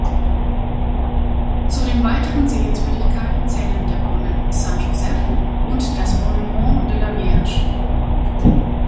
Zu den weiteren Sehenswürdigkeiten zählen der Brunnen Saint-Joseph und das Monument de la Vierge.